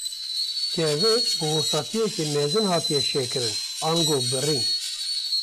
Kevir bi hostatiyeke mezin hatine şekirin, ango birîn.